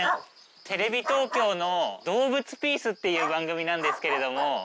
テレビ東京の『どうぶつピース！！』っていう番組なんですけれども。